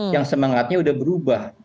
yang semangatnya udah berubah